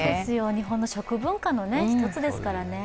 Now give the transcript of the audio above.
日本の食文化の一つですからね。